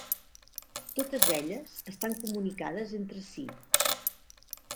Totes elles estan comunicades entre si.